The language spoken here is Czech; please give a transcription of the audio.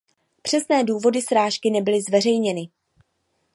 Přesné důvody srážky nebyly zveřejněny.